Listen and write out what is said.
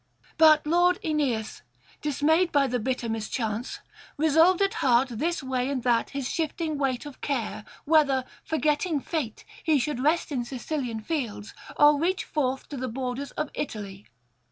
But lord Aeneas, dismayed by the bitter mischance, revolved at heart this way and that his shifting weight of care, whether, forgetting fate, he should rest in Sicilian fields, or reach forth to the borders of Italy.